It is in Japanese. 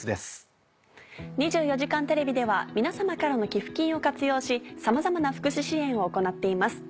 『２４時間テレビ』では皆様からの寄付金を活用しさまざまな福祉支援を行っています。